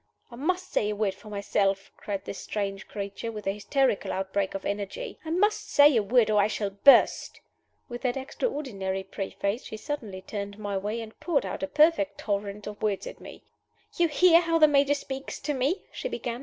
"I must say a word for myself!" cried this strange creature, with a hysterical outbreak of energy. "I must say a word, or I shall burst!" With that extraordinary preface, she suddenly turned my way and poured out a perfect torrent of words on me. "You hear how the Major speaks to me?" she began.